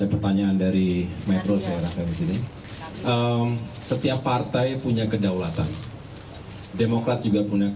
pertanyaan dari metro saya rasa disini setiap partai punya kedaulatan demokrat juga punya